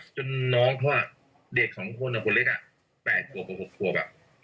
จนน้องพ่อเด็ก๒คนแล้วคนเล็ก๘กว่าแบบ